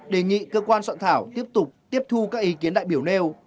đề nghị cơ quan soạn thảo tiếp tục tiếp thu các ý kiến đại biểu nêu